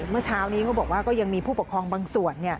เมื่อเช้านี้เขาบอกว่าก็ยังมีผู้ปกครองบางส่วน